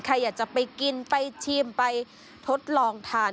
ใครอยากจะไปกินไปชิมไปทดลองทาน